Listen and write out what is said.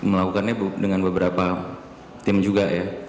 melakukannya dengan beberapa tim juga ya